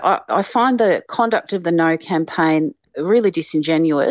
jadi saya menurut saya perubahan kampanye tidak terhubung